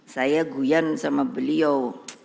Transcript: saya guyan sama beliau